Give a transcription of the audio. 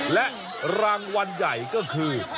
และรางวัลใหญ่ก็คือ